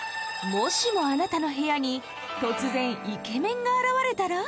もしもあなたの部屋に突然イケメンが現れたら？